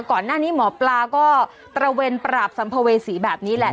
ก่อนหน้านี้หมอปลาก็ตระเวนปราบสัมภเวษีแบบนี้แหละ